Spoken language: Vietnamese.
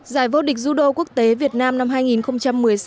giải vô địch judo quốc tế việt nam năm hai nghìn một mươi sáu